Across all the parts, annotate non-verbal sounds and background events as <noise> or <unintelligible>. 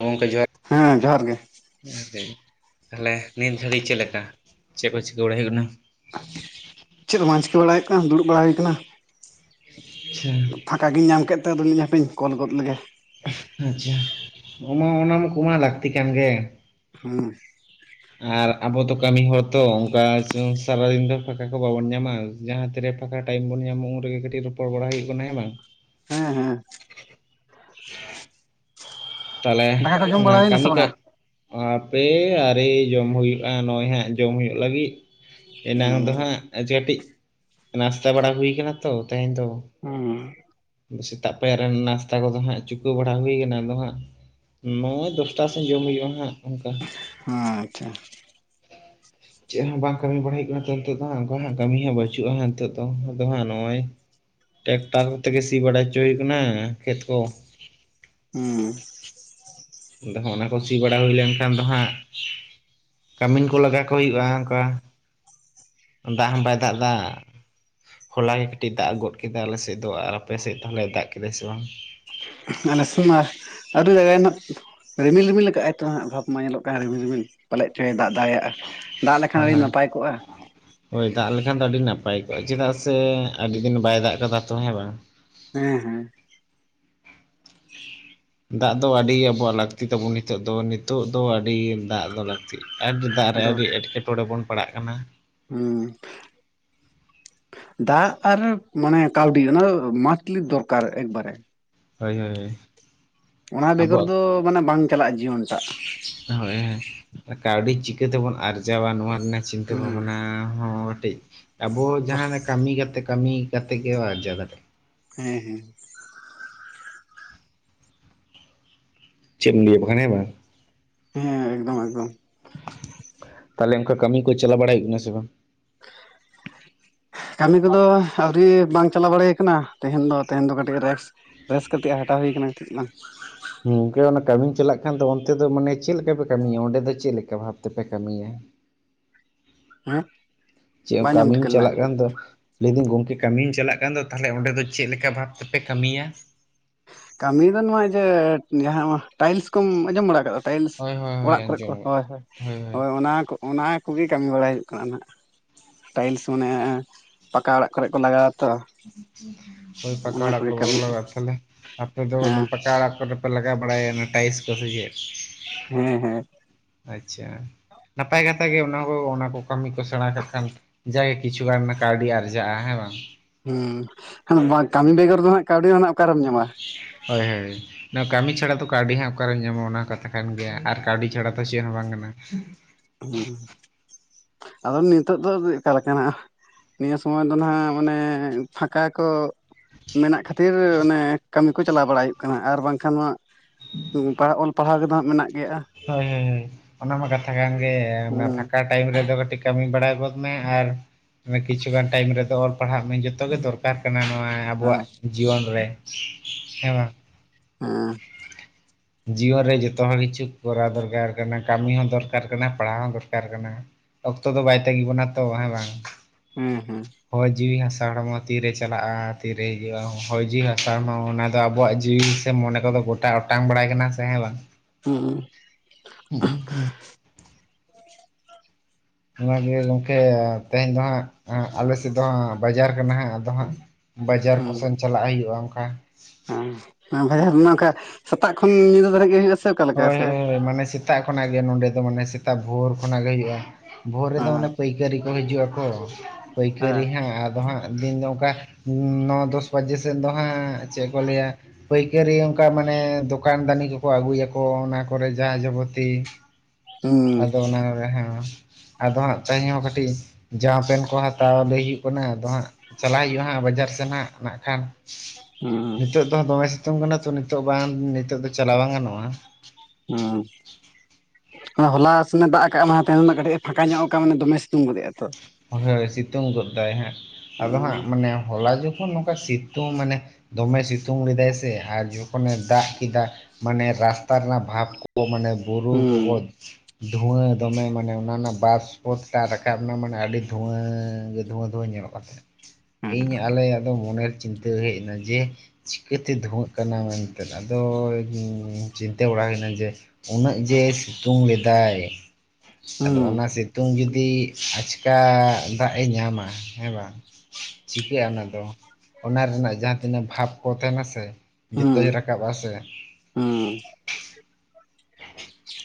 ᱜᱚᱝᱠᱮ ᱡᱚᱦᱟᱨ᱾ ᱦᱮᱸ ᱡᱚᱦᱟᱨ ᱜᱮ᱾ ᱛᱟᱦᱚᱞᱮ ᱱᱤᱛ ᱜᱷᱟᱹᱲᱤᱡ ᱪᱮᱫ ᱞᱮᱠᱟ ᱪᱮᱫ ᱠᱚ ᱪᱤᱠᱟᱹ ᱵᱟᱲᱟᱭ ᱦᱩᱭᱩᱜ ᱠᱟᱱᱟ? ᱪᱮᱫ ᱢᱚᱡᱽ ᱜᱮ ᱵᱟᱲᱟᱭ ᱠᱟᱱᱟ ᱫᱩᱲᱩᱵ ᱵᱟᱲᱟ ᱦᱩᱭᱠᱟᱱᱟ᱾ <unintelligible> ᱯᱷᱟᱸᱠᱟ ᱜᱤᱧ ᱧᱟᱢ ᱠᱮᱫᱛᱮ ᱟᱫᱚ ᱞᱤᱧ ᱦᱟᱯᱮᱧ ᱠᱚᱞ ᱜᱚᱫ ᱞᱮᱜᱮ᱾ ᱦᱮᱸ ᱟᱪᱪᱷᱟ ᱚᱱᱟ ᱚᱱᱟ ᱢᱟ ᱠᱚᱢᱟᱣ ᱞᱟᱹᱠᱛᱤ ᱠᱟᱱ ᱜᱮ᱾ ᱦᱳᱭ ᱟᱨ ᱟᱵᱚ ᱫᱚ ᱠᱟᱹᱢᱤ ᱦᱚᱲ ᱛᱚ ᱚᱱᱠᱟ ᱪᱷᱟᱣ ᱥᱟᱨᱟᱫᱤᱱ ᱫᱚ ᱯᱷᱟᱸᱠᱟ ᱠᱚ ᱵᱟᱵᱚᱱ ᱧᱟᱢᱟ᱾ ᱡᱟᱦᱟᱸ ᱛᱤ ᱨᱮ ᱯᱷᱟᱸᱠᱟ ᱴᱟᱭᱤᱢ ᱵᱚᱱ ᱧᱟᱢᱟ᱾ ᱩᱱ ᱨᱮᱜᱮ ᱠᱟᱹᱴᱤᱡ ᱨᱚᱯᱚᱲ ᱵᱟᱲᱟ ᱦᱩᱭᱩᱜ ᱠᱟᱱᱟ ᱦᱮᱸ ᱵᱟᱝ? ᱦᱮᱸ ᱦᱮᱸ ᱛᱟᱦᱚᱞᱮ ᱫᱟᱠᱟ ᱠᱚ ᱡᱚᱢ ᱚᱱᱟ ᱵᱟᱲᱟ ᱦᱩᱭᱱᱟ ᱥᱮ ᱠᱟᱹᱢᱤ ᱠᱟᱹᱡᱽ ᱵᱟᱝᱟ ᱚ ᱟᱯᱮ ᱟᱨᱤ ᱡᱚᱢ ᱦᱩᱭᱩᱜᱼᱟ, ᱱᱚᱜᱼᱚᱭ ᱦᱟᱸᱜ ᱡᱚᱢ ᱦᱩᱭᱩᱜ ᱞᱟᱹᱜᱤᱜ᱾ ᱮᱱᱟᱝ ᱫᱚ ᱦᱩᱸ ᱦᱟᱸᱜ ᱠᱟᱹᱴᱤᱡ ᱱᱟᱥᱛᱟ ᱵᱟᱲᱟ ᱦᱩᱭ ᱠᱟᱱᱟ ᱛᱚ ᱛᱮᱦᱮᱧ ᱫᱚ᱾ ᱦᱩᱸᱻ ᱥᱮᱛᱟᱜ ᱯᱟᱭᱟᱨ ᱨᱮᱱ ᱱᱟᱥᱛᱟ ᱠᱚᱫᱚ ᱦᱟᱸᱜ ᱪᱩᱠᱟᱹᱣ ᱵᱟᱰᱟ ᱦᱩᱭ ᱠᱟᱱᱟ᱾ ᱟᱫᱚ ᱦᱟᱸᱜ ᱱᱚᱭ ᱫᱚᱥᱴᱟ ᱥᱮᱱ ᱡᱚᱢ ᱦᱩᱭᱩᱜᱼᱟ ᱦᱟᱸᱜ ᱚᱱᱠᱟ᱾ ᱟᱪᱪᱷᱟ ᱪᱮᱜ ᱦᱚᱸ ᱵᱟᱝ ᱠᱟᱹᱢᱤ ᱵᱟᱲᱟᱭ ᱦᱩᱭᱩᱜ ᱠᱟᱱᱟ ᱛᱚ᱾ ᱱᱤᱛᱚᱜ ᱫᱚ ᱦᱟᱸᱜ ᱚᱱᱠᱟ ᱦᱟᱸᱜ ᱠᱟᱹᱢᱤ ᱦᱚᱸ ᱵᱟᱹᱪᱩᱜᱼᱟ ᱱᱤᱛᱚᱜ ᱫᱚ᱾ ᱟᱫᱚ ᱦᱟᱸᱜ ᱱᱚᱜᱼᱚᱭ ᱴᱮᱠᱴᱟᱨ ᱛᱮᱜᱮ ᱥᱤ ᱵᱟᱲᱟᱭ ᱪᱚ ᱦᱩᱭ ᱠᱟᱱᱟ ᱠᱷᱮᱛ ᱠᱚ᱾ ᱦᱩᱸ ᱟᱫᱚ ᱚᱱᱟ ᱠᱚ ᱥᱤ ᱵᱟᱲᱟ ᱦᱩᱭ ᱞᱮᱱᱠᱷᱟᱱ ᱫᱚ ᱦᱟᱸᱜ ᱠᱟᱹᱢᱤᱱ ᱠᱚ ᱞᱟᱜᱟ ᱠᱚ ᱦᱩᱭᱩᱜᱼᱟ, ᱚᱱᱠᱟ ᱫᱟᱜ ᱦᱚᱸ ᱵᱟᱭ ᱫᱟᱜ ᱫᱟ᱾ ᱦᱚᱞᱟ ᱜᱮ ᱠᱟᱹᱴᱤᱡ ᱫᱟᱜ ᱜᱚᱫ ᱠᱮᱫᱟ ᱟᱞᱮ ᱥᱮᱫ ᱫᱚ ᱟᱨ ᱟᱯᱮ ᱥᱮᱫ ᱫᱚ ᱦᱚᱞᱟ ᱫᱟᱜ ᱠᱮᱫᱟ ᱥᱮ ᱵᱟᱝ? ᱟᱞᱮ ᱥᱮᱢᱟ ᱟᱣᱨᱤ ᱫᱟᱜᱟᱭ ᱱᱟᱜ ᱨᱤᱢᱤᱞ ᱨᱤᱢᱤᱞ ᱟᱠᱟᱭ ᱛᱚ ᱦᱟᱸᱜ ᱵᱷᱟᱵᱽ ᱢᱟ ᱧᱮᱞᱚᱜ ᱠᱟᱱ ᱨᱤᱢᱤᱞ ᱨᱤᱢᱤᱞ ᱯᱟᱞᱮᱡ ᱪᱚᱭᱮ ᱫᱟᱜ ᱫᱟᱲᱮᱭᱟᱜᱼᱟ᱾ ᱫᱟᱜ ᱞᱮᱠᱷᱟᱱ ᱟᱹᱰᱤ ᱦᱳᱭ ᱱᱟᱯᱟᱭ ᱠᱚᱜᱼᱟ᱾ ᱦᱳᱭ ᱫᱟᱜ ᱞᱮᱠᱷᱟᱱ ᱫᱚ ᱟᱹᱰᱤ ᱱᱟᱯᱟᱭ ᱠᱚᱜᱼᱟ᱾ ᱪᱮᱫᱟᱜ ᱥᱮ ᱟᱹᱰᱤ ᱫᱤᱱ ᱵᱟᱭ ᱫᱟᱜ ᱠᱟᱫᱟ ᱛᱚ ᱦᱮᱸ ᱵᱟᱝ? ᱦᱮᱸ ᱦᱮᱸ <unintelligible> ᱫᱟᱜ ᱫᱚ ᱟᱹᱰᱤ ᱟᱵᱚᱣᱟᱜ ᱞᱟᱹᱠᱛᱤ ᱛᱟᱵᱚᱱ ᱱᱤᱛᱚᱜ ᱫᱚ ᱱᱤᱛᱚᱜ ᱫᱚ ᱟᱹᱰᱤ ᱫᱟᱜ ᱫᱚ ᱞᱟᱹᱠᱛᱤᱜ᱾ ᱟᱹᱰᱤ ᱫᱟᱜ ᱨᱮ ᱟᱫᱚ ᱟᱹᱰᱤ ᱮᱸᱴᱠᱮᱴᱚᱬᱮ ᱵᱚᱱ ᱯᱟᱲᱟᱜ ᱠᱟᱱᱟ᱾ ᱦᱩᱸ ᱫᱟᱜ ᱟᱨ ᱢᱟᱱᱮ ᱠᱟᱹᱣᱰᱤ ᱚᱱᱟ ᱫᱚ ᱢᱟᱥᱴᱞᱤ ᱫᱚᱨᱠᱟᱨ ᱮᱠᱵᱟᱨᱮ᱾ ᱦᱳᱭ ᱦᱳᱭ ᱦᱳᱭ ᱚᱱᱟ ᱵᱮᱜᱚᱨ ᱟᱵᱚᱣᱟᱜ ᱫᱚ ᱢᱟᱱᱮ ᱵᱟᱝ ᱪᱟᱞᱟᱜᱼᱟ ᱡᱤᱭᱚᱱ ᱴᱟᱜ᱾ ᱦᱳᱭ ᱦᱮᱸ ᱠᱟᱹᱣᱰᱤ ᱪᱤᱠᱟᱹ ᱛᱮᱵᱚᱱ ᱟᱨᱡᱟᱣᱟ ᱱᱚᱣᱟ ᱨᱮᱱᱟᱜ ᱪᱤᱱᱛᱟᱹ ᱦᱩᱸ ᱵᱷᱟᱵᱱᱟ ᱦᱚᱸ ᱠᱟᱴᱤᱡ ᱟᱵᱚ ᱡᱟᱦᱟᱸ ᱞᱮᱠᱟ ᱠᱟᱹᱢᱤ ᱠᱟᱛᱮ ᱠᱟᱹᱢᱤ ᱠᱟᱛᱮ ᱜᱮ ᱟᱨᱡᱟᱣ ᱫᱟᱲᱮᱜ᱾ ᱦᱮᱸ ᱦᱮᱸ ᱪᱮᱜ ᱮᱢ ᱞᱟᱹᱭ ᱟᱠ ᱠᱟᱱᱟ ᱦᱮᱸ ᱵᱟᱝ᱾ ᱦᱮᱸ ᱮᱠᱫᱚᱢ ᱮᱠᱫᱚᱢ ᱛᱟᱞᱦᱮ ᱚᱱᱠᱟ ᱠᱟᱹᱢᱤ ᱠᱚ ᱪᱟᱞᱟᱣ ᱵᱟᱲᱟᱭ ᱦᱩᱭᱩᱜ ᱠᱟᱱᱟ ᱥᱮ ᱵᱟᱝ? ᱠᱟᱹᱢᱤ ᱠᱚᱫᱚ ᱟᱹᱣᱨᱤ ᱵᱟᱝ ᱪᱟᱞᱟᱣ ᱵᱟᱲᱮ ᱦᱩᱭᱩᱜ ᱠᱟᱱᱟ, ᱛᱮᱦᱮᱧ ᱫᱚ ᱛᱮᱦᱮᱧ ᱫᱚ ᱠᱟᱹᱴᱤᱡ ᱨᱮᱥ᱾ ᱨᱮᱥ ᱠᱟᱛᱮᱜ ᱦᱟᱴᱟᱣ ᱦᱩᱭ ᱠᱟᱱᱟ ᱦᱤᱛᱚᱜ ᱫᱚ ᱵᱟᱝ᱾ ᱜᱚᱝᱠᱮ ᱚᱱᱟ ᱠᱟᱹᱢᱤᱢ ᱪᱟᱞᱟᱜ ᱠᱷᱟᱱ ᱫᱚ ᱚᱱᱛᱮ ᱫᱚ ᱢᱟᱱᱮ ᱪᱮᱫ ᱞᱮᱠᱟ ᱯᱮ ᱠᱟᱹᱢᱤᱭᱟ? ᱚᱸᱰᱮ ᱫᱚ ᱪᱮᱫ ᱞᱮᱠᱟ ᱵᱷᱟᱵᱽ ᱛᱮᱯᱮ ᱠᱟᱹᱢᱤᱭᱟ? <unintelligible> ᱪᱮᱫ ᱮᱢ ᱟᱸᱡᱚᱢ ᱠᱟᱹᱢᱤᱢ ᱴᱷᱤᱠᱟᱹ ᱞᱮᱱᱟ ᱪᱟᱞᱟᱜ ᱠᱟᱹᱴᱤᱡ ᱠᱟᱱ ᱫᱚ? ᱞᱟᱹᱭᱫᱟᱹᱧ ᱜᱚᱢᱠᱮ ᱠᱟᱹᱢᱤᱢ ᱪᱟᱞᱟᱜ ᱠᱟᱱ ᱫᱚ ᱛᱟᱦᱚᱞᱮ ᱚᱸᱰᱮ ᱫᱚ ᱪᱮᱫ ᱞᱮᱠᱟ ᱵᱷᱟᱵᱽ ᱛᱮᱯᱮ ᱠᱟᱹᱢᱤᱭᱟ? ᱠᱟᱹᱢᱤ ᱫᱚ ᱱᱚᱭᱟ ᱤᱡᱟᱹ ᱡᱟᱦᱟᱸ ᱴᱟᱭᱤᱞᱥ ᱠᱚᱢ ᱟᱸᱡᱚᱢ ᱵᱟᱲᱟ ᱟᱠᱟᱫᱟ᱾ ᱴᱟᱭᱤᱞᱥ ᱦᱳᱭ ᱦᱳᱭ ᱦᱳᱭ ᱚᱲᱟᱜ ᱠᱚᱨᱮ ᱠᱚ ᱟᱸᱡᱚᱢ ᱦᱳᱭ ᱦᱳᱭ ᱦᱳᱭ ᱚᱱᱟᱠᱚ ᱚᱱᱟ ᱠᱚᱜᱮ ᱠᱟᱹᱢᱤ ᱵᱟᱲᱟᱭ ᱦᱩᱭᱩᱜ ᱠᱟᱱᱟ ᱱᱟᱦᱟᱜ᱾ ᱴᱟᱭᱤᱞᱥ ᱢᱟᱱᱮ ᱯᱟᱠᱟ ᱚᱲᱟᱜ ᱠᱚᱨᱮ ᱠᱚ ᱞᱟᱜᱟᱣᱟ ᱛᱚ᱾ ᱦᱳᱭ ᱯᱟᱠᱟ ᱚᱱᱟ ᱚᱲᱟᱜ ᱠᱚᱜᱮ ᱠᱚᱨᱮ ᱠᱟᱹᱢᱤ ᱞᱟᱜᱟ ᱛᱟᱦᱞᱮ ᱟᱯᱮ ᱫᱚ ᱚᱱᱮ ᱦᱮᱸ ᱯᱟᱠᱟ ᱚᱲᱟᱜ ᱠᱚᱨᱮ ᱠᱚ ᱞᱟᱜᱟ ᱵᱟᱲᱟᱭᱟᱱᱟ ᱴᱟᱭᱤᱞᱥ ᱠᱚ ᱥᱮ ᱪᱮᱜ? ᱦᱮᱸ ᱦᱮᱸ ᱟᱪᱪᱷᱟ ᱱᱟᱯᱟᱭ ᱠᱟᱛᱷᱟ ᱜᱮ ᱚᱱᱟ ᱠᱚ ᱚᱱᱟ ᱠᱚ ᱠᱟᱹᱢᱤ ᱠᱚ ᱥᱮᱬᱟ ᱠᱟᱜ ᱠᱷᱟᱱ ᱡᱟᱜᱮ ᱠᱤᱪᱷᱩᱜᱟᱱ ᱠᱟᱹᱣᱰᱤ ᱟᱨᱡᱟᱜᱼᱟ ᱦᱮᱸ ᱵᱟᱝ ᱦᱮᱸ ᱵᱟᱝ ᱠᱟᱹᱢᱤ ᱵᱮᱜᱚᱨ ᱫᱚ ᱦᱟᱜ ᱠᱟᱹᱣᱰᱤ ᱫᱚ ᱦᱟᱜ ᱚᱠᱟᱨᱮᱢ ᱧᱟᱢᱟ᱾ ᱦᱳᱭ ᱦᱳᱭ ᱱᱚᱣᱟ ᱠᱟᱹᱢᱤ ᱪᱷᱟᱲᱟ ᱫᱚ ᱠᱟᱹᱣᱰᱤ ᱦᱟᱸᱜ ᱚᱠᱟᱨᱮᱢ ᱧᱟᱢᱚᱜᱼᱟ ᱚᱱᱟ ᱠᱟᱛᱷᱟ ᱠᱟᱱ ᱜᱮᱭᱟ ᱟᱨ ᱠᱟᱹᱣᱰᱤ ᱪᱷᱟᱲᱟ ᱫᱚ ᱪᱮᱫ ᱦᱚᱸ ᱵᱟᱝ ᱠᱟᱱᱟ᱾ ᱦᱮᱸ ᱟᱫᱚ ᱱᱤᱛᱚᱜ ᱫᱚᱠᱟ ᱞᱮᱠᱟᱱᱟᱜ ᱱᱤᱭᱟᱹ ᱥᱚᱢᱚᱭ ᱫᱚ ᱱᱟᱦᱟᱜ ᱢᱟᱱᱮ ᱯᱷᱟᱸᱠᱟ ᱠᱚ ᱢᱮᱱᱟᱜ ᱠᱷᱟᱹᱛᱤᱨ ᱚᱱᱮ ᱠᱟᱹᱢᱤ ᱠᱚ ᱪᱟᱞᱟᱣ ᱵᱟᱲᱟᱭ ᱦᱩᱭᱩᱜ ᱠᱟᱱᱟ ᱟᱨ ᱵᱟᱝᱠᱷᱟᱱ ᱢᱟ ᱚᱞ ᱯᱟᱲᱦᱟᱣ ᱨᱮᱫᱚ ᱦᱟᱸᱜ ᱢᱮᱱᱟᱜ ᱜᱮᱭᱟ᱾ ᱦᱳᱭ ᱦᱳᱭ ᱦᱳᱭ ᱚᱱᱟᱢᱟ ᱠᱟᱛᱷᱟ ᱠᱟᱱ ᱜᱮ ᱦᱩᱸ ᱯᱷᱟᱠᱟ ᱴᱟᱭᱤᱢ ᱨᱮᱫᱚ ᱠᱟᱹᱴᱤᱡ ᱠᱟᱹᱢᱤ ᱵᱟᱲᱟᱭ ᱜᱚᱫ ᱢᱮ ᱟᱨ ᱮ ᱠᱤᱪᱷᱩᱜᱟᱱ ᱴᱟᱭᱤᱢ ᱨᱮᱫᱚ ᱚᱞ ᱯᱟᱲᱦᱟᱜ ᱢᱮ ᱡᱚᱛᱚ ᱜᱮ ᱫᱚᱨᱠᱟᱨ ᱠᱟᱱᱟ᱾ ᱱᱚᱣᱟ ᱟᱵᱚᱣᱟᱜ ᱟᱨ ᱡᱤᱭᱚᱱ ᱨᱮ ᱦᱮᱸᱵᱟᱝ ᱦᱩᱸ ᱡᱤᱭᱚᱱ ᱨᱮ ᱡᱚᱛᱚ ᱦᱚᱲ ᱠᱤᱪᱷᱩ ᱠᱚᱨᱟᱣ ᱫᱚᱨᱠᱟᱨ ᱠᱟᱱᱟ ᱠᱟᱹᱢᱤ ᱦᱚᱸ ᱫᱚᱨᱠᱟᱨ ᱫᱚᱨᱠᱟᱨ ᱠᱟᱱᱟ ᱯᱟᱲᱦᱟᱣ ᱦᱚᱸ ᱫᱚᱨᱠᱟᱨ ᱠᱟᱱᱟ ᱚᱠᱛᱚ ᱫᱚ ᱵᱟᱭ ᱛᱟᱹᱜᱤ ᱵᱚᱱᱟ ᱛᱚ ᱦᱮᱸ ᱵᱟᱝ᱾ ᱦᱮᱸ ᱦᱩᱸ ᱦᱚᱭ ᱡᱤᱣᱤ ᱦᱟᱥᱟᱲ ᱦᱚᱲᱢ ᱛᱤᱨᱮ ᱪᱟᱞᱟᱜᱼᱟ ᱛᱤᱨᱮ ᱦᱤᱡᱩᱜᱼᱟ ᱦᱚᱭ ᱡᱤᱣᱤ ᱦᱟᱥᱟᱲ ᱢᱟ ᱚᱱᱟᱫᱚ ᱟᱵᱚᱣᱟᱜ ᱡᱤᱣᱤ ᱥᱮ ᱢᱚᱱᱮ ᱠᱚᱫᱚ ᱜᱚᱴᱟ ᱚᱴᱟᱝ ᱵᱟᱲᱟᱭ ᱠᱟᱱᱟ ᱥᱮ ᱦᱮᱸ ᱵᱟᱝ ᱦᱩᱸ ᱦᱩᱸ ᱦᱩᱸ ᱚᱱᱟᱜᱮ ᱜᱚᱝᱠᱮ ᱛᱮᱦᱮᱧ ᱫᱚ ᱦᱟᱸᱜ ᱟᱞᱮ ᱥᱮᱫ ᱫᱚ ᱦᱟᱸᱜ ᱵᱟᱡᱟᱨ ᱠᱟᱱᱟ ᱦᱟᱸᱜ ᱟᱫᱚ ᱦᱟᱸᱜ ᱵᱟᱡᱟᱨ ᱦᱮᱸ ᱠᱚᱥᱮᱱ ᱪᱟᱞᱟᱜ ᱦᱩᱭᱩᱜᱼᱟ ᱚᱱᱠᱟ ᱦᱮᱸ ᱵᱷᱟᱜ ᱚᱱᱠᱟ ᱥᱮᱛᱟᱜ ᱠᱷᱚᱱ ᱧᱤᱫᱟᱹ ᱫᱷᱟᱨᱤᱡ ᱜᱮ ᱦᱩᱭᱩᱜ ᱦᱳᱭ ᱦᱳᱭ ᱦᱳᱭ ᱢᱟᱱᱮ ᱥᱮᱛᱟᱜ ᱠᱷᱚᱱᱟᱜ ᱜᱮ ᱱᱚᱸᱰᱮ ᱫᱚ ᱢᱟᱱᱮ ᱥᱮᱛᱟᱜ ᱵᱷᱳᱨ ᱠᱷᱚᱱᱟᱜ ᱜᱮ ᱦᱩᱭᱩᱜᱼᱟ᱾ ᱵᱷᱳᱨ ᱨᱮᱫᱚ ᱦᱮᱸ ᱚᱱᱮ ᱯᱟᱹᱭᱠᱟᱹᱨᱤ ᱠᱚ ᱦᱤᱡᱩᱜ ᱟᱠᱚ ᱦᱮᱸ ᱯᱟᱹᱭᱠᱟᱹᱨᱤ ᱦᱟᱸᱜ ᱟᱫᱚ ᱦᱟᱸᱜ ᱫᱤᱱ ᱫᱚ ᱚᱱᱠᱟ ᱱᱚ ᱫᱚᱥ ᱵᱟᱡᱮ ᱥᱮᱫ ᱫᱚ ᱦᱟᱸᱜ ᱪᱮᱫ ᱠᱚ ᱞᱟᱹᱭᱟ ᱯᱟᱹᱭᱠᱟᱹᱨᱤ ᱚᱱᱠᱟ ᱢᱟᱱᱮ ᱫᱚᱠᱟᱱ ᱫᱟᱱᱤ ᱠᱚᱠᱚ ᱟᱹᱜᱩᱭᱟᱠᱚ᱾ ᱠᱚ ᱚᱱᱟ ᱠᱚᱨᱮ ᱡᱟ ᱡᱟᱵᱚᱛᱤ ᱦᱩᱸ ᱟᱫᱚ ᱚᱱᱟ ᱠᱚᱨᱮ ᱦᱮᱸ ᱟᱫᱚ ᱦᱟᱸᱜ ᱛᱮᱦᱮᱧ ᱦᱚᱸ ᱠᱟᱹᱴᱤᱡ ᱡᱟᱢᱟ ᱯᱮᱱ ᱠᱚ ᱦᱟᱛᱟᱣ ᱞᱟᱹᱭ ᱦᱩᱭᱩᱜ ᱠᱟᱱᱟ ᱟᱫᱚ ᱦᱟᱸᱜ᱾ ᱪᱟᱞᱟᱜ ᱦᱩᱭᱩᱜᱼᱟ ᱦᱟᱸᱜ ᱵᱟᱡᱟᱨ ᱥᱮᱫ ᱦᱜ ᱱᱟᱜ ᱠᱷᱟᱱ ᱦᱩᱸ ᱱᱤᱛᱳᱜ ᱫᱚᱦ ᱫᱚᱢᱮ ᱥᱤᱛᱩᱝ ᱠᱟᱱᱟ ᱛᱚ ᱱᱤᱛᱳᱜ ᱵᱟᱝ ᱱᱤᱛᱳᱜ ᱫᱚ ᱪᱟᱞᱟᱣ ᱵᱟᱝ ᱜᱟᱱᱚᱜᱼᱟ᱾ ᱦᱩᱸ ᱦᱚᱞᱟ ᱮ ᱫᱟᱜᱼᱟ ᱠᱟᱜᱼᱟ ᱛᱮᱦᱮᱱ ᱫᱚ ᱠᱟᱹᱴᱤᱡ ᱯᱷᱟᱸ ᱧᱚᱜ ᱠᱟᱜ ᱢᱟᱱ ᱫᱚᱢᱮ ᱥᱤᱛᱩᱝ ᱜᱚᱫᱮᱜᱼᱟ ᱛᱚ᱾ ᱦᱳᱭ ᱥᱤᱛᱩᱝ ᱜᱚᱫᱫᱟᱭ ᱦᱟᱸᱸ ᱟᱫᱚ ᱦᱟᱸᱜ ᱦᱩᱸ ᱢᱟᱱᱮ ᱦᱚᱞᱟ ᱡᱚᱠᱷᱚᱱ ᱱᱚᱝᱠᱟ ᱥᱤᱛᱩᱝ ᱢᱟᱱᱮ ᱫᱚᱢᱮ ᱥᱤᱛᱩᱝ ᱞᱮᱫᱟᱭ ᱥᱮ ᱟᱨ ᱡᱚᱠᱷᱚᱱᱮ ᱫᱟᱜ ᱠᱮᱫᱟ ᱢᱟᱱᱮ ᱨᱟᱥᱛᱟ ᱨᱮᱱᱟᱜ ᱵᱷᱟᱵᱽ ᱠᱚ ᱢᱟᱱᱮ ᱵᱩᱨᱩ ᱠᱚᱠᱚ ᱦᱩᱸ ᱫᱷᱩᱣᱟᱹ ᱫᱚᱢᱮ ᱢᱟᱱᱮ ᱚᱱᱟ ᱨᱮᱱᱟᱜ ᱵᱟᱥ ᱥᱯᱚᱛᱟᱜ ᱨᱟᱠᱟᱵ ᱮᱱᱟ ᱢᱟᱱᱮ ᱟᱹᱰᱤ ᱫᱷᱩᱣ ᱜᱮ ᱫᱷᱩᱣᱟᱹ ᱫᱷᱩᱣᱟᱹ ᱧᱚᱜ ᱠᱟᱛᱮ ᱤᱧ ᱟᱞᱮᱭᱟᱜ ᱫᱚ ᱢᱚᱱᱮᱨ ᱪᱤᱱᱛᱟᱹ ᱦᱮᱡ ᱮᱱᱟ ᱡᱮ ᱪᱤᱠᱟᱹᱛᱮ ᱫᱷᱩᱣᱟᱹᱜ ᱠᱟᱱᱟ ᱢᱮᱱᱛᱮ ᱟᱫᱚᱧ ᱪᱤᱱᱛᱟᱹ ᱵᱟᱲᱟᱦᱳᱭ ᱱᱟ ᱡᱮ ᱩᱱᱟᱹᱜ ᱡᱮ ᱥᱤᱛᱩᱝ ᱞᱮᱫᱟᱭ ᱟᱫᱚ ᱦᱩᱸ ᱚᱱᱟ ᱥᱤᱛᱩᱝ ᱡᱩᱫᱤ ᱟᱪᱠᱟ ᱫᱟᱜ ᱮ ᱧᱟᱢᱟ ᱦᱮᱸ ᱵᱟᱝ, ᱪᱤᱠᱟᱹᱜᱼᱟ ᱚᱱᱟ ᱫᱚ ᱚᱱᱟ ᱨᱮᱱᱟᱜ ᱡᱟᱦᱟᱸᱛᱤᱱᱟᱹᱜ ᱵᱷᱟᱵᱽ ᱠᱚ ᱛᱟᱦᱮᱱᱟ ᱥᱮ ᱡᱚᱛᱚ ᱦᱩᱸ ᱨᱟᱠᱟᱵ <unintelligible> ᱵᱟ ᱥᱮ ᱦᱩᱸ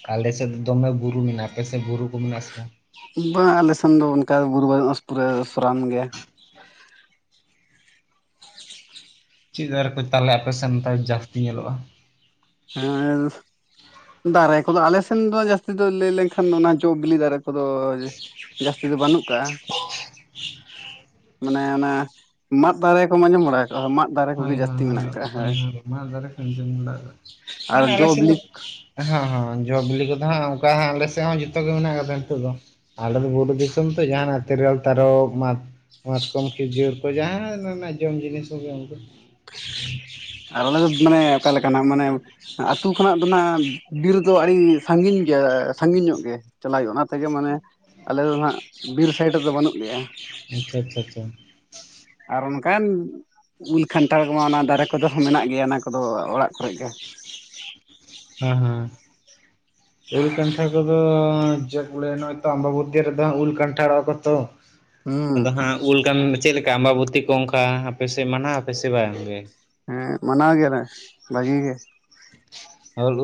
ᱠᱟᱞᱮ ᱥᱮ ᱫᱚᱢᱮ ᱵᱩᱨᱩ ᱢᱤᱫᱤᱱ ᱟᱯᱮ ᱥᱮ ᱵᱩᱨᱩ ᱠᱚ ᱢᱤᱱᱟᱜᱼᱟ ᱥᱮ ᱵᱟᱝ? ᱵᱟᱝ ᱟᱞᱮᱥᱱ ᱫᱚ ᱚᱱᱠᱟ ᱵᱩᱨᱩ ᱵᱟᱥ ᱯᱩᱨᱟᱹ ᱥᱚᱨᱟᱢ ᱜᱮᱭᱟ᱾ ᱪᱮᱫ ᱫᱟᱨᱮ ᱠᱚ ᱛᱟᱦᱚᱞᱮ ᱟᱯᱮᱥᱮᱱ ᱫᱚ ᱡᱟᱹᱥᱛᱤ ᱧᱮᱞᱚᱜᱼᱟ? ᱦᱮᱸ ᱫᱟᱨᱮ ᱠᱚᱫᱚ ᱟᱞᱮ ᱥᱮᱱ ᱫᱚ ᱡᱟᱹᱥᱛᱤ ᱫᱚ ᱞᱟᱹᱭ ᱞᱮᱱᱠᱷᱟᱱ ᱚᱱᱟ ᱡᱚᱜ ᱵᱤᱞᱤ ᱫᱟᱨᱮ ᱠᱚ ᱠᱚᱫᱚ ᱡᱟᱹᱥᱛᱤ ᱫᱚ ᱵᱟᱹᱱᱩᱜ ᱠᱟᱜᱼᱟ᱾ ᱢᱟᱱᱮ ᱚᱱᱟ ᱢᱟᱫ ᱫᱟᱨᱮ ᱠᱚᱢ ᱟᱸᱡᱚᱢ ᱵᱟᱲᱟ ᱠᱟᱜᱼᱟ ᱢᱟᱫ ᱫᱟᱨᱮ ᱠᱚᱜᱮ ᱡᱟᱹᱥᱛᱤ ᱢᱮᱱᱟᱜ ᱠᱟᱜ ᱦᱮᱸ᱾ ᱢᱟᱼᱜ ᱫᱟᱨᱮ ᱠᱷᱟᱱ ᱢᱟ. ᱱᱩᱢ ᱫᱟᱨᱮ ᱟᱨ ᱢᱟᱱᱮ ᱟᱞᱮ ᱡᱚ ᱥᱮᱱ ᱫᱚᱼᱼ ᱵᱤᱞᱤ ᱦᱚᱸ ᱦᱚᱸ ᱡᱚ ᱵᱤᱞᱤ ᱠᱚᱫᱚ ᱦᱟᱸᱜ ᱚᱱᱠᱟᱦᱟᱸ ᱟᱞᱮ ᱥᱮᱫ ᱦᱚᱸ ᱡᱚᱛᱚᱜᱮ ᱢᱮᱱᱟᱜ ᱟᱠᱟᱫᱟ ᱱᱤᱛᱚᱜ ᱫᱚ ᱾ ᱟᱞᱮᱫᱚ ᱵᱩᱨᱩ ᱫᱤᱥᱚᱢ ᱛᱚ ᱡᱟᱦᱟᱱᱟᱜ ᱛᱮᱨᱮᱞ ᱛᱟᱨᱚ ᱢᱟᱼᱼ ᱢᱟᱛᱠᱚᱢ ᱠᱷᱤᱡᱩᱨ ᱠᱚ ᱡᱟᱦᱟᱱᱟ ᱨᱮᱱᱟᱜ ᱡᱚᱢ ᱡᱤᱱᱤᱥ ᱠᱚᱜ ᱩᱱᱠᱩᱼᱼ ᱟᱨ ᱟᱞᱮ ᱫᱚ ᱢᱟᱱᱮ ᱚᱠᱟ ᱞᱮᱠᱟᱱᱟᱜ ᱢᱟᱱᱮᱼᱼ ᱟᱹᱛᱩ ᱠᱷᱚᱱᱟᱜ ᱫᱚᱱᱟᱼᱜ, ᱵᱤᱨ ᱫᱚ ᱟᱹᱰᱤ ᱥᱟᱺᱜᱤᱧ ᱜᱮᱭᱟ ᱥᱟᱺᱜᱤᱧ ᱧᱚᱜ ᱜᱮ ᱪᱟᱞᱟᱣ ᱦᱩᱭᱩᱜᱼᱟ ᱚᱱᱟᱼᱼ ᱛᱮᱜᱮ ᱢᱟᱱᱮ ᱟᱞᱮᱫ ᱫᱚᱱᱟᱦᱟᱜ ᱵᱤᱨ ᱥᱟᱭᱤᱰ ᱨᱮᱫᱚ ᱵᱟᱹᱱᱩᱜ ᱞᱮᱭᱟ ᱾ ᱟᱪᱷᱟ-ᱟᱪᱷᱟ-ᱟᱪᱷᱟ ᱾ ᱟᱨ ᱚᱱᱠᱟᱱ ᱩᱞ ᱠᱷᱟᱱᱴᱟᱲ ᱠᱚᱢᱟ ᱚᱱᱟ ᱫᱟᱨᱮ ᱠᱚᱫᱚ ᱦᱚᱸ ᱢᱮᱱᱟᱜ ᱜᱮᱭᱟ ᱚᱱᱟ ᱠᱚᱫᱚ ᱚᱲᱟᱜ ᱠᱚᱨᱮ ᱜᱮ ᱾ ᱦᱮᱸᱻ ᱦᱮᱸ, ᱩᱞ ᱠᱟᱱᱴᱷᱟᱲ ᱠᱚᱫᱚ ᱪᱮᱫᱼᱼ ᱵᱚᱞᱮ ᱱᱚᱜᱚᱭ ᱛᱚ ᱟᱢᱵᱟᱵᱚᱫᱤᱭᱚ ᱨᱮᱫᱚᱜ ᱩᱞ ᱠᱟᱱᱴᱷᱟᱲᱚᱼ ᱟ ᱠᱚᱛᱚ ᱦᱩᱸ ᱟᱫᱚ ᱦᱟᱸᱜ ᱩᱞ ᱠᱟᱱᱼᱼ ᱪᱮᱫ ᱞᱮᱠᱟ ᱟᱢᱵᱟᱵᱚᱛᱤ ᱠᱚ ᱚᱱᱠᱟ ᱟᱯᱮᱥᱮᱫ ᱢᱟᱱᱟᱣ ᱟᱯᱮ ᱥᱮ ᱵᱟᱝᱜᱮ ᱾ ᱦᱮᱸ ᱢᱟᱱᱟᱣ ᱜᱮᱭᱟᱞᱮ ᱵᱷᱟ. ᱜᱤ ᱜᱮ ᱾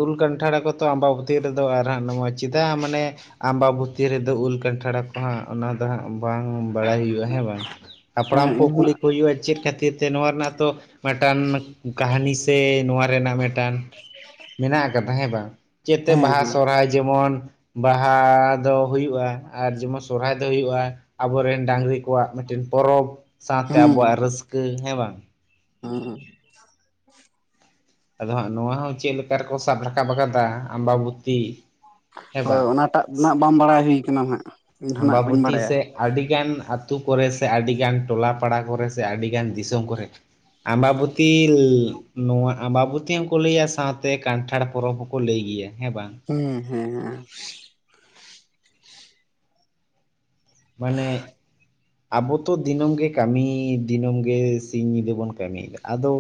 ᱩᱞ ᱠᱟᱱᱴᱷᱟᱲ ᱠᱚᱛᱚ ᱟᱢᱵᱟᱵᱟᱹᱛᱤ ᱨᱮᱫᱚ ᱟᱨ ᱦᱟᱸᱟᱜ ᱱᱚᱜᱚᱭ ᱪᱮᱫᱟᱜ ᱢᱟᱱᱮᱼᱼ ᱟᱢᱵᱟ ᱵᱷᱩᱛᱤ ᱨᱮᱫᱚ ᱩᱞ ᱠᱟᱱᱴᱷᱟᱲ ᱠᱚᱦᱟᱸᱜ ᱚᱱᱟ ᱫᱚᱦᱟᱸᱜ ᱵᱟᱝ ᱾ ᱵᱟᱲᱟᱭ ᱦᱩᱭᱩᱜᱼᱟ ᱦᱮᱸ ᱵᱟᱝ ᱦᱮᱸ ᱦᱟᱯᱲᱟᱢ ᱠᱚ ᱤᱧᱦᱚᱸ ᱠᱩᱞᱤ ᱠᱚ ᱦᱩᱭᱩᱜᱼᱟ ᱪᱮᱫᱼᱼ ᱠᱷᱟᱹᱛᱤᱨ ᱛᱮ ᱱᱚᱣᱟ ᱨᱮᱱᱟᱜ ᱛᱚ ᱢᱤᱫᱴᱟᱝ ᱠᱟᱹᱦᱟᱱᱤ ᱥᱮ ᱱᱚᱣᱟ ᱨᱮᱱᱟᱜ ᱢᱤᱫᱴᱟᱝᱼᱼ <inaudible> ᱢᱮᱱᱟᱜ ᱟᱠᱟᱫᱟ ᱦᱮᱸ ᱵᱟᱝ ᱪᱮᱫ ᱛᱮ ᱦᱮᱸ ᱵᱟᱦᱟ ᱦᱮᱸ ᱥᱚᱦᱨᱟᱭ ᱡᱮᱢᱚᱱᱼᱼ ᱵᱟᱦᱟ ᱫᱚ ᱦᱩᱭᱩᱜᱼᱟ ᱟᱨ ᱡᱮᱢᱚᱱ ᱥᱚᱦᱨᱟᱭ ᱫᱚ ᱦᱩᱭᱩᱜᱼᱟ ᱟᱵᱚᱨᱮᱱ ᱰᱟᱝᱨᱤ ᱠᱚᱣᱟᱜ ᱢᱤᱫᱴᱮᱱ ᱯᱚᱨᱚᱵᱽ ᱥᱟᱶᱛᱮ ᱟᱵᱚᱣᱟᱜ ᱨᱟᱹᱥᱠᱟᱹ ᱦᱮᱸ ᱵᱟᱝ ᱾ ᱦᱩᱸᱻ ᱦᱩᱸ ᱾ ᱟᱫᱚ ᱦᱟᱸᱜ ᱱᱚᱣᱟ ᱦᱚᱸ ᱪᱮᱫ ᱞᱮᱠᱟ ᱨᱮᱠᱚ ᱥᱟᱵ ᱨᱟᱠᱟᱵ ᱟᱠᱟᱫᱟ ᱟᱢᱵᱟᱵᱚᱛᱤ ᱾ ᱦᱳᱭ ᱚᱱᱟᱴᱟᱜ ᱫᱚᱱᱟᱼᱜ ᱵᱟᱝ ᱵᱟᱲᱟᱭ ᱦᱩᱭ ᱠᱟᱱᱟ ᱦᱟᱸᱜ ᱾ ᱟᱢᱵᱟᱵᱩᱛᱤ ᱥᱮᱼᱼ ᱟᱹᱰᱤᱜᱟᱱ ᱟᱹᱛᱩ ᱠᱚᱨᱮ ᱥᱮ ᱟᱹᱰᱤᱜᱟᱱ ᱴᱚᱞᱟ ᱯᱟᱲᱟ ᱠᱚᱨᱮ ᱥᱮ ᱟᱹᱰᱤᱜᱟᱱ ᱫᱤᱥᱚᱢ ᱠᱚᱨᱮ ᱾ ᱟᱢᱵᱟᱵᱩᱛᱤ, ᱱᱚᱣᱟ ᱟᱢᱵᱟᱵᱩᱛᱤ ᱦᱚᱸᱠᱚ ᱞᱟᱹᱭᱟ ᱥᱟᱶᱛᱮ ᱠᱟᱱᱴᱷᱟᱲ ᱯᱚᱨᱚᱵᱽ ᱦᱚᱸ ᱾ ᱠᱚ ᱞᱟᱹᱭ ᱜᱮᱭᱟ ᱦᱮᱸ ᱵᱟᱝ ᱾ ᱦᱮᱸᱻ ᱦᱮᱸ ᱻᱦᱮᱸ ᱾ ᱢᱟᱱᱮᱼᱼ ᱟᱵᱚ ᱛᱚ ᱫᱤᱱᱟᱹᱢ ᱜᱮ ᱠᱟᱹᱢᱤ ᱫᱤᱱᱟᱹᱢ ᱜᱮ ᱥᱤᱧ ᱧᱤᱫᱟᱹ ᱵᱚᱱ ᱠᱟᱹᱢᱤᱭᱮᱫᱟ ᱟᱫᱚᱼᱼ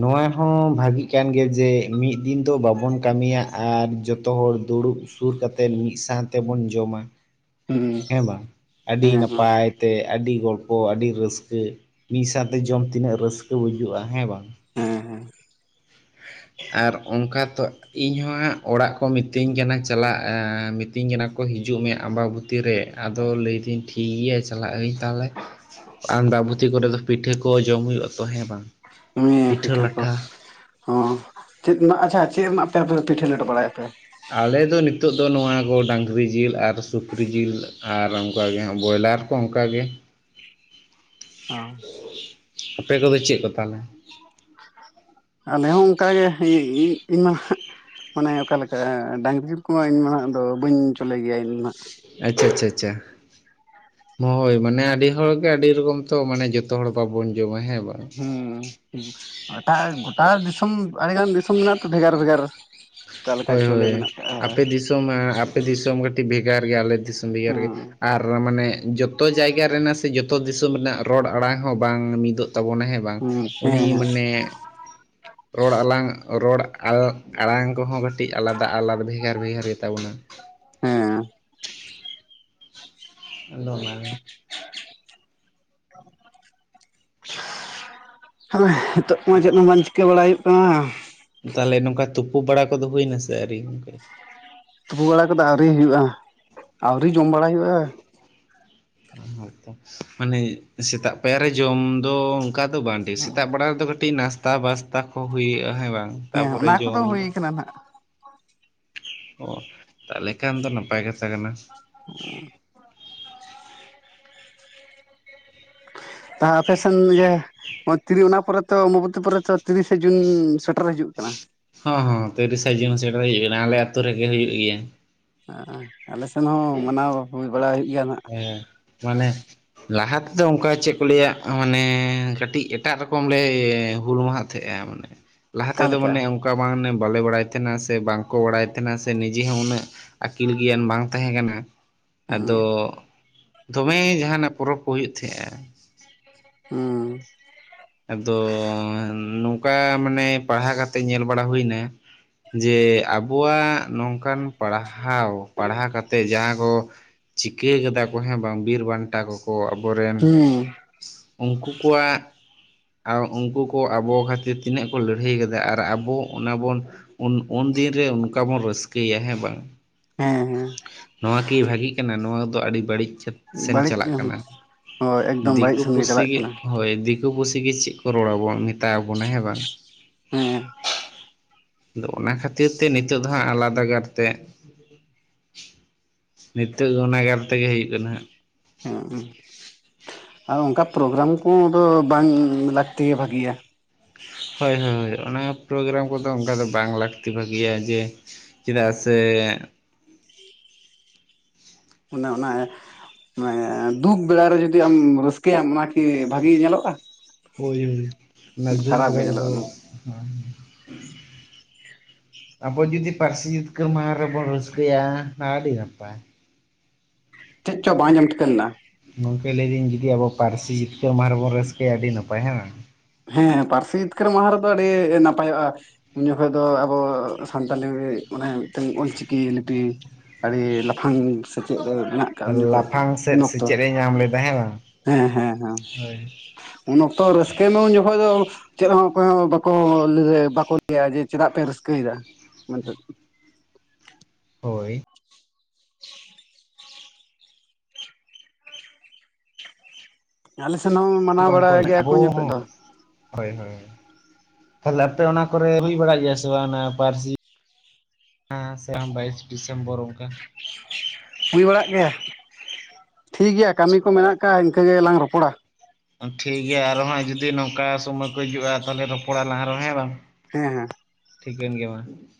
ᱱᱚᱣᱟ ᱦᱚᱸ ᱵᱷᱟᱹᱜᱤᱼᱜ ᱠᱟᱱ ᱜᱮᱭᱟ ᱡᱮ ᱢᱤᱫ ᱫᱤᱱ ᱫᱚ ᱵᱟᱵᱚᱱ ᱠᱟᱹᱢᱤᱭᱟ ᱟᱨ ᱡᱚᱛᱚ ᱦᱚᱲ ᱫᱩᱲᱩᱵᱼᱼ ᱥᱩᱨ ᱠᱟᱛᱮᱫ ᱢᱤᱫ ᱥᱟᱶ ᱛᱮᱵᱚᱱ ᱡᱚᱢᱟᱼᱼ ᱦᱩᱸ ᱦᱮᱸ ᱵᱟᱝ ᱟᱹᱰᱤ ᱦᱮᱸ ᱱᱟᱯᱟᱭ ᱛᱮ ᱟᱹᱰᱤ ᱜᱚᱞᱯᱷᱚᱼᱼ ᱠᱚ ᱟᱹᱰᱤ ᱨᱟᱹᱥᱠᱟᱹ ᱢᱤᱫ ᱥᱟᱶᱛᱮ ᱡᱚᱢ ᱛᱤᱱᱟᱹᱜ ᱨᱟᱹᱥᱠᱟᱹ ᱵᱩᱡᱩᱜᱼᱟ ᱦᱮᱸ ᱵᱟᱝ ᱾ ᱦᱮᱸᱻᱦᱮᱸᱻ ᱾ ᱟᱨ ᱚᱱᱠᱟ ᱛᱚᱼᱼ ᱤᱧ ᱦᱚᱸᱦᱟᱸᱜ ᱚᱲᱟᱜ ᱠᱚ ᱢᱤᱛᱟᱹᱧ ᱠᱟᱱᱟ ᱪᱟᱞᱟᱜ ᱢᱤᱛᱟᱹᱧ ᱠᱟᱱᱟ ᱠᱚ ᱦᱤᱡᱩᱜ ᱢᱮ ᱟᱢᱵᱟᱵᱩᱼᱼ ᱵᱷᱤᱛᱤᱨ ᱨᱮ ᱟᱫᱚ ᱞᱟᱹᱭᱤᱫᱟᱹᱧ ᱴᱷᱤᱠ ᱜᱮᱭᱟ ᱪᱟᱞᱟᱜ ᱟᱹᱧ ᱛᱟᱦᱚᱞᱮᱼᱼ ᱟᱱᱫᱟ ᱵᱷᱩᱛᱤ ᱠᱚᱨᱮ ᱫᱚ ᱯᱤᱴᱷᱟᱹ ᱠᱚ ᱡᱚᱢ ᱦᱩᱭᱩᱜᱼᱟ ᱛᱚ ᱦᱮᱸ ᱵᱟᱝ ᱾ ᱱᱮ ᱯᱤᱴᱷᱟᱹ ᱠᱚᱼᱼ ᱦᱚᱸ ᱪᱮᱫ ᱨᱮᱱᱟᱜ ᱟᱪᱷᱟ ᱪᱮᱫ ᱨᱮᱱᱟᱜ ᱟᱯᱮ ᱯᱤᱴᱷᱟᱹ ᱞᱮᱴ ᱵᱟᱲᱟᱭᱟᱯᱮ? ᱟᱞᱮᱫᱚ ᱱᱤᱛᱚᱜ ᱫᱚ ᱱᱚᱣᱟ ᱠᱚ ᱰᱟᱹᱝᱨᱤ ᱡᱤᱞ ᱟᱨ ᱥᱩᱠᱨᱤ ᱡᱤᱞ ᱟᱨ ᱚᱱᱠᱟᱜᱮ ᱦᱟᱸᱜ ᱵᱚᱭᱞᱟᱨᱼᱼ ᱛᱚ ᱚᱱᱠᱟ ᱜᱮ᱾ ᱚᱸ ᱾ ᱟᱯᱮ ᱠᱚᱫᱚ ᱪᱮᱫ ᱠᱚ ᱛᱟᱞᱮ? ᱟᱞᱮ ᱦᱚᱸ ᱚᱱᱠᱟᱜᱮ ᱤᱼᱤᱧ ᱤᱧᱢᱟ ᱾ ᱢᱟᱱᱮ ᱚᱠᱟᱞᱮᱠᱟ ᱰᱟᱝᱨᱤ ᱡᱤᱞ ᱠᱚᱢᱟ ᱤᱧ ᱢᱟᱦᱟᱼ ᱜ ᱫᱚ ᱵᱟᱹᱧ ᱪᱚᱞᱮ ᱜᱮᱭᱟ ᱤᱧᱫᱚᱱᱟᱼᱜ᱾ ᱟᱪᱷᱟ- ᱟᱪᱷᱟ- ᱟᱪᱷᱟ ᱾ ᱦᱳᱭ ᱢᱟᱱᱮ ᱟᱹᱰᱤ ᱦᱚᱲ ᱜᱮ ᱟᱹᱰᱤ ᱨᱚᱠᱚᱢ ᱛᱚ ᱢᱟᱱᱮ ᱡᱚᱛᱚ ᱦᱚᱲ ᱵᱟᱵᱚᱱ ᱡᱚᱢᱟ ᱦᱮᱸ ᱵᱟᱝ ᱾ ᱦᱩᱸ ᱮᱴᱟ ᱜᱚᱴᱟ ᱫᱤᱥᱚᱢ ᱟᱹᱰᱤ ᱜᱟᱱ ᱫᱤᱥᱚᱢ ᱢᱮᱱᱟᱜᱼᱟ ᱛᱚ ᱵᱷᱮᱜᱟᱨ ᱵᱷᱮᱜᱟᱨ ᱾ ᱚᱠᱟᱞᱮᱠᱟ ᱪᱟᱣᱞᱮ ᱢᱮᱱᱟᱜ ᱠᱟᱜᱼᱟ ᱱᱤᱛᱚᱜ ᱢᱟ ᱟᱯᱮ ᱫᱤᱥᱚᱢ ᱠᱟᱹᱴᱤᱡ ᱵᱷᱮᱜᱟᱨ ᱜᱮᱭᱟ ᱟᱞᱮ ᱫᱤᱥᱚᱢ ᱵᱷᱮᱜᱟᱨ ᱦᱮᱸ ᱜᱮᱭᱟ ᱾ᱟᱨ ᱢᱟᱱᱮ ᱡᱚᱛᱚ ᱡᱟᱭᱜᱟ ᱨᱮᱱᱟᱜ ᱥᱮ ᱡᱚᱛᱚ ᱫᱤᱥᱚᱢ ᱨᱮᱱᱟᱜ ᱨᱚᱲ ᱟᱲᱟᱝ ᱦᱚᱸ ᱵᱟᱝ ᱢᱤᱫᱚᱜ ᱛᱟᱵᱚᱱᱟ ᱦᱮᱸ ᱵᱟᱝ ᱩᱱᱤ ᱢᱟᱱᱮ ᱨᱚᱲ ᱟᱞᱟᱝ ᱨᱚᱲ ᱟᱲᱟᱝ ᱠᱚᱦᱚᱸ ᱠᱟᱹᱴᱤᱡ ᱟᱞᱟᱫᱟ ᱟᱞᱟᱫᱟ ᱵᱷᱮᱜᱟᱨ ᱵᱷᱮᱜᱟᱨ ᱜᱮᱛᱟ ᱵᱚᱱᱟ ᱾ ᱦᱮᱸ ᱟᱫᱚ ᱚᱱᱟᱜᱮ᱾ <unintelligible> ᱦᱮᱸ ᱱᱤᱛᱳᱜ ᱢᱟ ᱪᱮᱫ ᱦᱚᱸ ᱵᱟᱝ ᱪᱤᱠᱟᱹ ᱵᱟᱲᱟᱭ ᱦᱩᱭᱩᱜ ᱠᱟᱱᱟ ᱾ ᱛᱟᱦᱚᱞᱮ ᱱᱚᱝᱠᱟ ᱛᱩᱯᱩ ᱵᱟᱲᱟ ᱠᱚᱫᱚ ᱦᱩᱭᱱᱟᱥᱮ ᱟᱹᱣᱨᱤ? ᱛᱩᱯᱩ ᱵᱟᱲᱟ ᱠᱟᱫᱚ ᱟᱹᱣᱨᱤ ᱦᱩᱭᱩᱜᱼᱟ, ᱟᱹᱣᱨᱤ ᱡᱚᱢ ᱵᱟᱲᱟᱟᱭ ᱦᱩᱭᱩᱜᱼᱟ ᱾ ᱢᱟᱱᱮ ᱥᱮᱛᱟᱜ ᱯᱟᱨ ᱨᱮ ᱡᱚᱢ ᱫᱚ ᱚᱱᱠᱟ ᱫᱚ ᱵᱟᱝ ᱴᱷᱤᱠ ᱥᱮᱛᱟᱜ ᱵᱮᱲᱟ ᱨᱮᱫᱚ ᱠᱟᱹᱴᱤᱡ ᱱᱟᱥᱛᱟ ᱵᱟᱥᱛᱟ ᱠᱚ ᱦᱩᱭᱩᱜᱼᱟ ᱦᱮᱸ ᱵᱟᱝ ᱦᱮᱸ ᱛᱟᱯᱚᱨᱮ ᱚᱱᱟ ᱠᱚᱫᱚ ᱡᱚᱢ ᱫᱚ ᱦᱩᱭ ᱾ ᱠᱟᱱᱟ ᱱᱟᱜ ᱚ ᱛᱟᱦᱚᱞᱮ ᱠᱷᱟᱱ ᱫᱚ ᱱᱟᱯᱟᱭ ᱠᱟᱛᱷᱟ ᱠᱟᱱᱟ ᱾ <unintelligible> ᱛᱟ ᱟᱯᱮᱥᱚᱱ ᱜᱮ ᱚᱱᱟ ᱯᱚᱨᱮ ᱛᱚ ᱟᱢᱵᱚᱛᱤ ᱯᱚᱨᱮ ᱛᱚ ᱛᱤᱨᱤᱥᱮ ᱡᱩᱱ ᱥᱮᱴᱮᱨ ᱦᱤᱡᱩᱜ ᱠᱟᱱᱟ ᱾ ᱦᱚᱸ ᱦᱚᱸᱮ ᱛᱤᱨᱤᱥᱟ ᱡᱩᱱ ᱥᱮᱴ ᱦᱩᱭᱩᱜ ᱠᱟᱱᱟ ᱟᱞᱮ ᱟᱹᱛᱩ ᱨᱮᱜᱮ ᱦᱩᱭᱩᱜ ᱜᱮᱭᱟ ᱾ ᱦᱮ ᱟᱞᱮ ᱥᱮᱱ ᱦᱚᱸ ᱢᱟᱱᱟᱣ ᱦᱩᱭ ᱵᱟᱲᱟ ᱦᱩᱭᱩᱜ ᱜᱮᱭᱟ ᱱᱟᱜ ᱾ ᱦᱮᱸ ᱢᱟᱱᱮ ᱞᱟᱦᱟ ᱛᱮᱫᱚ ᱚᱱᱠᱟ ᱪᱮᱫ ᱠᱚ ᱞᱟᱹᱭᱟ ᱢᱟᱱᱮ ᱠᱟᱹᱴᱤᱡ ᱮᱴᱟᱜ ᱨᱚᱠᱚᱢ ᱞᱮ ᱦᱩᱞ ᱢᱟᱦᱟ ᱛᱟᱦᱮᱸᱜᱼᱟ ᱢᱟᱱᱮ <unintelligible> ᱞᱟᱦᱟ ᱛᱮᱫᱚ ᱢᱟᱱᱮ ᱚᱱᱠᱟ ᱵᱟᱝ ᱵᱟᱞᱮ ᱵᱟᱲᱟᱭ ᱛᱟᱦᱮᱱᱟ ᱥᱮ ᱵᱟᱝᱠᱚ ᱵᱟᱲᱟᱭ ᱛᱟᱦᱮᱱᱟ ᱥᱮ ᱱᱤᱡᱮ ᱦᱚᱸ ᱩᱱᱟᱹᱜ ᱟᱹᱠᱤᱞ ᱜᱮᱭᱟᱱ ᱵᱟᱝ ᱛᱟᱦᱮᱸ ᱠᱟᱱᱟ ᱦᱩᱸ ᱟᱫᱚ ᱫᱚᱢᱮ ᱡᱟᱦᱟᱱᱟᱜ ᱯᱚᱨᱚᱵᱽ ᱠᱚ ᱦᱩᱭᱩᱜ ᱛᱟᱦᱮᱸᱼᱟ ᱾ ᱦᱩᱸ ᱟᱫᱚ ᱱᱚᱝᱠᱟ ᱢᱟᱱᱮ ᱯᱟᱲᱦᱟᱣ ᱠᱟᱛᱮᱫ ᱧᱮᱞ ᱵᱟᱲᱟ ᱦᱩᱭᱱᱟ ᱡᱮ ᱟᱵᱚᱣᱟᱜ ᱱᱚᱝᱠᱟᱱ ᱯᱟᱲᱦᱟᱣ ᱯᱟᱲᱦᱟᱣ ᱠᱟᱛᱮ ᱡᱟᱦᱟᱸ ᱠᱚ ᱪᱤᱠᱟᱹ ᱠᱮᱫᱟ ᱠᱚ ᱦᱮᱸ ᱵᱟᱝ ᱵᱤᱨ ᱵᱟᱱᱴᱟ ᱠᱚ ᱠᱚ ᱟᱵᱚᱨᱮᱱ ᱦᱩᱸ ᱩᱱᱠᱩ ᱠᱚᱣᱟᱜ ᱟᱨ ᱩᱱᱠᱩ ᱠᱚ ᱟᱵᱚ ᱠᱷᱟᱹᱛᱤᱨ ᱛᱤᱱᱟᱹᱜ ᱠᱚ ᱞᱟᱹᱲᱦᱟᱹᱭ ᱠᱟᱫᱟ ᱟᱨ ᱟᱵᱚ ᱚᱱᱟ ᱵᱚᱱ ᱩᱱ ᱩᱱᱫᱤᱱ ᱨᱮ ᱚᱱᱠᱟ ᱵᱚᱱ ᱨᱟᱹᱥᱠᱟᱹᱭᱭᱟ ᱦᱮᱸ ᱵᱟᱝ? ᱦᱮᱸ ᱦᱮᱸ ᱱᱚᱣᱟ ᱠᱤ ᱵᱷᱟᱹᱜᱤ ᱠᱟᱱᱟ ᱱᱚᱣᱟ ᱫᱚ ᱟᱹᱰᱤ ᱵᱟᱹᱲᱤᱡ ᱥᱮᱱ ᱵᱟᱹᱲᱤᱡ ᱪᱟᱞᱟᱜ ᱠᱟᱱᱟ, ᱦᱳᱭ ᱮᱠᱫᱚᱢ ᱵᱟᱹᱲᱤᱡ ᱫᱤᱠᱩ ᱥᱮᱱ ᱪᱟᱞᱟᱜ ᱯᱩᱥᱤᱜ ᱜᱮ ᱠᱟᱱᱟ ᱦᱳᱭ ᱫᱤᱠᱩ ᱫᱤᱠᱩ ᱯᱩᱥᱤ ᱜᱮ ᱪᱮᱫ ᱠᱚ ᱨᱚᱲ ᱟᱵᱚᱱ ᱢᱮᱛᱟᱭ ᱟᱵᱚᱱᱟ ᱦᱮᱸ ᱵᱟᱝ? ᱦᱮᱸ ᱟᱫᱚ ᱚᱱᱟ ᱠᱷᱟᱹᱛᱤᱨ ᱛᱮ ᱱᱤᱛᱚᱜ ᱫᱚ ᱦᱟᱸᱜ ᱟᱞᱟᱫᱟ ᱠᱟᱨᱛᱮ ᱱᱤᱛᱚᱜ ᱫᱚ ᱱᱟᱜᱟᱨ ᱛᱮᱜᱮ ᱦᱩᱭᱩᱜ ᱦᱟᱸᱜ ᱾ ᱦᱮᱸ ᱟᱨ ᱚᱱᱠᱟ ᱯᱨᱳᱜᱨᱟᱢ ᱠᱚᱫᱚ ᱵᱟᱝ ᱞᱟᱹᱠᱛᱤᱭᱟ ᱵᱷᱟᱜᱤᱭᱟ ᱾ ᱦᱳᱭ ᱦᱳᱭ ᱦᱳᱭ ᱚᱱᱟ ᱯᱨᱳᱜᱨᱟᱢ ᱠᱚᱫᱚ ᱚᱱᱠᱟ ᱫᱚ ᱵᱟᱝ ᱞᱟᱹᱠᱛᱤ ᱵᱷᱟᱹᱜᱤᱭᱟ, ᱡᱮ ᱪᱮᱫᱜ ᱥᱮ ᱚᱱᱮ ᱚᱱᱟ ᱢᱟᱱᱮ ᱫᱩᱠ ᱵᱮᱲᱟᱨᱮ ᱡᱩᱫᱤ ᱟᱢ ᱨᱟᱹᱥᱠᱟᱹᱭᱟᱢ ᱚᱱᱟᱠᱤ ᱵᱷᱟᱜᱤ ᱧᱮᱞᱚᱜᱼᱟ? ᱦᱳᱭ ᱦᱳᱭ ᱚᱱᱟ ᱫᱩᱜ ᱠᱷᱟᱨᱟᱯ ᱜᱮ ᱵᱮᱨᱟ ᱫᱚ ᱧᱮᱞᱚᱜᱼᱟ ᱚᱱᱟ ᱦᱳᱭ <unintelligible> ᱟᱵᱚ ᱡᱩᱫᱤ ᱯᱟᱹᱨᱥᱤ ᱡᱤᱛᱠᱟᱹᱨ ᱢᱟᱦᱟ ᱨᱮᱵᱚᱱ ᱨᱟᱹᱥᱠᱟᱹᱭᱟ ᱚᱱᱟ ᱟᱹᱰᱤ ᱱᱟᱯᱟᱭ ᱾ ᱪᱮᱫ ᱪᱚ ᱵᱟᱝ ᱟᱡᱚᱢ ᱴᱷᱤᱠᱟᱹᱣ ᱞᱮᱱᱟ? ᱜᱚᱢᱠᱮ ᱞᱟᱹᱭᱫᱟᱹᱧ ᱡᱩᱫᱤ ᱟᱵᱚ ᱯᱟᱹᱨᱥᱤ ᱡᱤᱛᱠᱟᱹᱨ ᱢᱟᱦᱟ ᱨᱮᱵᱚᱱ ᱨᱟᱹᱥᱠᱟᱹᱭᱟ ᱟᱹᱰᱤ ᱱᱟᱯᱟᱭ ᱦᱮᱵᱟᱝ? ᱦᱮᱸ ᱯᱟᱹᱨᱥᱤ ᱡᱤᱛᱠᱟᱹᱨ ᱢᱟᱦᱟ ᱨᱮᱫᱚ ᱟᱹᱰᱤ ᱱᱟᱯᱟᱭᱚᱜᱼᱟ ᱩᱱ ᱡᱚᱠᱷᱚᱱ ᱫᱚ ᱟᱵᱚ ᱥᱟᱱᱛᱟᱞᱤ ᱢᱤᱫᱴᱮᱱ ᱚᱞᱪᱤᱠᱤ ᱞᱤᱯᱤ ᱟᱹᱰᱤ ᱞᱟᱯᱷᱟᱝ ᱥᱮᱪᱮᱫ ᱨᱮ ᱢᱮᱱᱟᱜ ᱠᱟ ᱩᱱ ᱡᱚᱠᱷᱡ ᱞᱟᱯᱷᱟᱝ ᱥᱮᱫ ᱩᱱ ᱚᱠᱛᱚ ᱥᱮᱪᱮᱫ ᱮ ᱧᱟᱢ ᱞᱮᱫᱟ ᱦᱮᱸ ᱵᱟᱝ ᱦᱮᱸᱻ ᱦᱮᱸᱻ ᱦᱮᱸᱻ᱾ ᱦᱳᱭ ᱩᱱ ᱚᱠᱛᱚ ᱨᱮ ᱛᱮᱢᱚᱱ ᱡᱚᱠᱷᱚᱡ ᱫᱚ ᱪᱮᱫ ᱦᱚ ᱚᱠᱚᱭ ᱦᱚᱸ ᱵᱟᱠᱚ ᱵᱟᱠᱚ ᱞᱟᱹᱭᱟ ᱡᱮ ᱪᱮᱫᱟᱜ ᱯᱮ ᱨᱟᱹᱥᱠᱟᱹᱭ ᱫᱟ ᱢᱮᱱ ᱛᱮ᱾ ᱦᱳᱭ᱾ ᱟᱞᱮ ᱥᱮᱱ ᱦᱚᱸ ᱢᱟᱱᱟᱣ ᱵᱟᱝᱠᱚ ᱵᱟᱲᱟᱭ ᱜᱮᱭᱟ ᱠᱚ ᱟᱵᱚ ᱩᱱ ᱡᱚᱠᱷᱚᱡ ᱦᱚᱸ ᱫᱚ᱾ ᱦᱳᱭ ᱦᱳᱭ ᱛᱟᱦᱚᱞᱮ ᱟᱯᱮ ᱚᱱᱟ ᱠᱚᱨᱮ ᱦᱩᱭ ᱵᱟᱲᱟᱜ ᱜᱮᱭᱟ ᱥᱮ ᱵᱟᱝ ᱚᱱᱟ ᱯᱟᱹᱨᱥᱤ ᱦᱮᱸ ᱥᱮ ᱟᱢ ᱵᱟᱭᱤᱥ ᱰᱤᱥᱮᱢᱵᱚᱨ ᱚᱱᱠᱟ? ᱦᱳᱭ ᱵᱟᱲᱟᱜ ᱜᱮᱭᱟ᱾ ᱴᱷᱤᱠ ᱜᱮᱭᱟ ᱠᱟᱹᱢᱤ ᱠᱚ ᱢᱮᱱᱟᱜᱼᱠᱟ ᱤᱱᱠᱟᱹ ᱜᱮᱞᱟᱝ ᱨᱚᱯᱚᱲᱟ᱾ ᱴᱷᱤᱠ ᱜᱮᱭᱟ, ᱟᱨᱚ ᱦᱟᱸᱜ ᱡᱩᱫᱤ ᱱᱚᱝᱠᱟ ᱥᱚᱢᱚᱭ ᱠᱚ ᱦᱤᱡᱩᱜᱼᱟ ᱛᱟᱦᱚᱞᱮ ᱨᱚᱯᱚᱲ ᱟᱞᱟᱝ ᱟᱨᱦᱚᱸ ᱦᱮᱸ ᱵᱟᱝ? ᱦᱮᱸᱻ ᱦᱮᱸᱻ᱾ ᱴᱷᱤᱠᱟᱹᱱ ᱜᱮ ᱢᱟ᱾